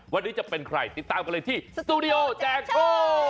วันนี้จะเป็นใครติดตามกันเลยที่สตูดิโอแจกโชค